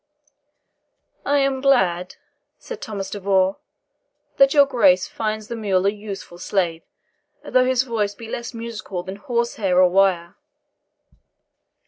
"I am glad," said Thomas de Vaux, "that your Grace finds the mule a useful slave, though his voice be less musical than horse hair or wire."